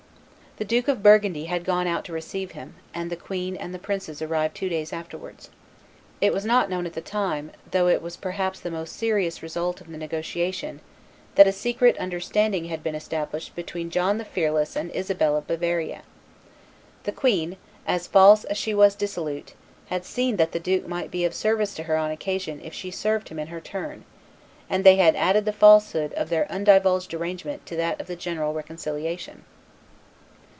The Duke of Burgundy had gone out to receive him; and the queen and the princes arrived two days after wards. It was not known at the time, though it was perhaps the most serious result of the negotiation, that a secret understanding had been established between John the Fearless and Isabel of Bavaria. The queen, as false as she was dissolute, had seen that the duke might be of service to her on occasion if she served him in her turn, and they had added the falsehood of their undivulged arrangement to that of the general reconciliation.